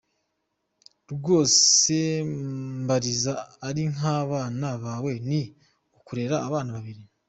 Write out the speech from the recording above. Rwose mbariza ari nk’abana bawe ni ukurera abana babiri.